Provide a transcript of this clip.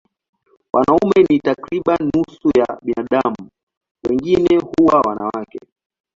Wanaume ni takriban nusu ya binadamu, wengine huwa wanawake.